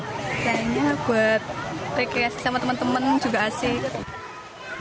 kayaknya buat rekreasi sama teman teman juga asik